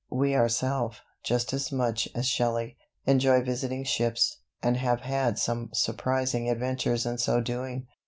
We ourself, just as much as Shelley, enjoy visiting ships, and have had some surprising adventures in so doing.